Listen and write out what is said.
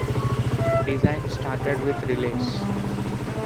Design started with relays.